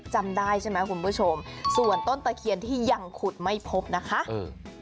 จำได้ใช่ไหมคุณผู้ชมส่วนต้นตะเคียนที่ยังขุดไม่พบนะคะเออ